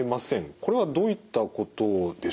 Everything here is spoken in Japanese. これはどういったことでしょうか？